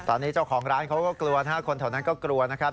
ตอนนี้เจ้าของร้านเขาก็กลัว๕คนเท่านั้นก็กลัวนะครับ